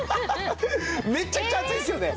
めっちゃくちゃ熱いですよね。